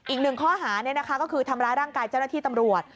อีกหนึ่งข้อหาก็คือทำร้ายร่างกายเจ้าหน้าที่ตำรวจ